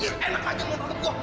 ini enak aja lo tangkap gue